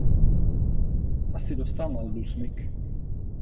Asi dostal na ledu smyk.